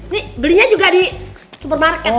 ini belinya juga di supermarket